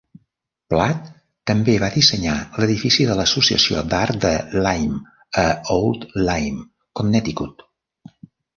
Platt també va dissenyar l'edifici de l'Associació d'art de Lyme a Old Lyme, Connecticut.